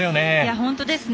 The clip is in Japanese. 本当ですね。